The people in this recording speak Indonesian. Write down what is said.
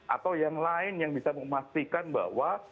atau yang lain yang bisa memastikan bahwa